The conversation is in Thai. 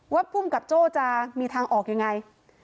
ว่าผู้กำกับโจ้จะมีทางออกยังไง